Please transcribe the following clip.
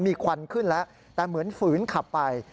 มีควันขึ้นแล้วแต่เหมือนฝืนขับไป